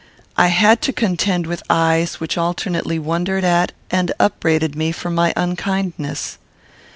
I had to contend with eyes which alternately wondered at and upbraided me for my unkindness.